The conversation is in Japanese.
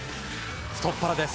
太っ腹です。